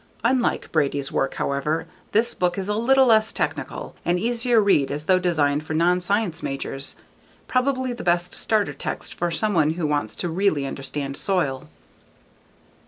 Unlike Brady's work however, this book is a little less technical, an easier read as though designed for non science majors. Probably the best starter text for someone who wants to really understand soil.